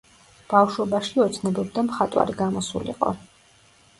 ბავშვობაში ოცნებობდა მხატვარი გამოსულიყო.